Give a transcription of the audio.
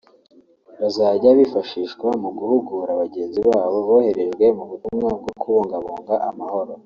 bazajya bifashishwa mu guhugura bagenzi babo boherejwe mu butumwa bwo kubungabunga amahoro